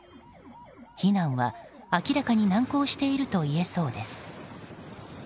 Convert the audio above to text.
避難は、明らかに難航しているといえそうです。